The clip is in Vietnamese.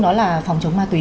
đó là phòng chống ma túy